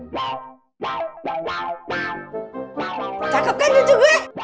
cakap kan cucu gue